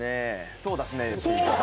「そうだすね」